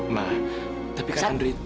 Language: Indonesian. ma tapi kak ndre